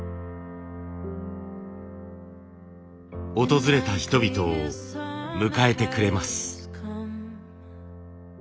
訪れた人々を迎えてくれます。